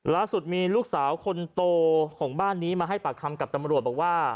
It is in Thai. ล่าสุดมีลูกสาวคนโตของบ้านนี้มาให้ปากคำกับตำรวจบอกว่า